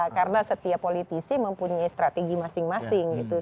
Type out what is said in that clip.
karena setiap politisi mempunyai strategi masing masing gitu